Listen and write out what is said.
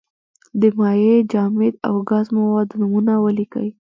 د مایع، جامد او ګاز موادو نومونه ولیکئ.